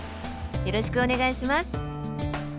よろしくお願いします。